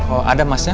oh ada masnya